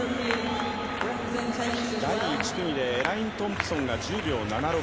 第１組でエレイン・トンプソンが１０秒７６。